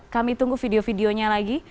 kami tunggu video videonya lagi